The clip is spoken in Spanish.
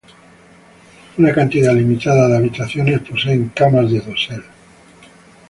Una cantidad limitada de habitaciones poseen camas de dosel.